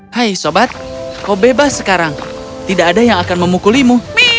hai sobat kau bebas sekarang tidak ada yang akan memukulimu